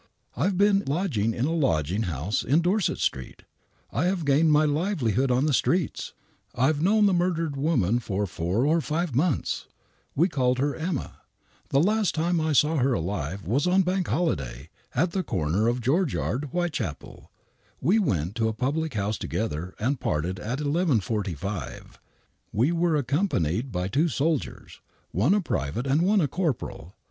" I've been lodging in a lodging house in Dorset Street. I've gained my livelihood on the streets. I've known the murdered woman for (««< f *>« THE WHITECHAPEL MURDERS 25 tf «■"^"■<»* Hi four or five months. We called her * Emma.' The last time I saw her alive was on * Bank Holiday/ at the corner of George Yard> Whitechapel. We went to a public house together and parted at 11.45. We were accompanied by two soldiers, one a private and one a corporal.